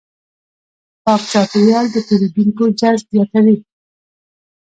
پاک چاپېریال د پیرودونکو جذب زیاتوي.